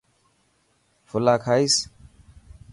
ڦلا کائيس.